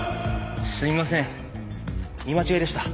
すいません見間違いでした。